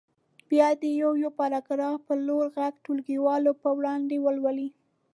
بیا دې یو یو پاراګراف په لوړ غږ ټولګیوالو په وړاندې ولولي.